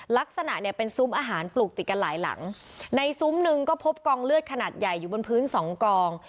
ลักษณะเนี่ยเป็นซุ้มอาหารปลูกติดกันหลายหลังในซุ้มหนึ่งก็พบกองเลือดขนาดใหญ่อยู่บนพื้นสองกอง